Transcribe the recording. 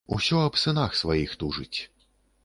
Усё аб сынах сваіх тужыць.